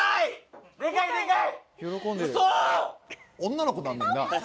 「女の子になんねんな